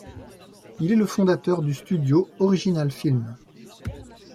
Il est le fondateur du studio Original Film.